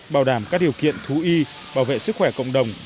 bảo đảm các điều kiện thú y bảo vệ sức khỏe cộng đồng